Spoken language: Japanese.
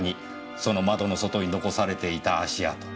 その窓の外に残されていた足跡。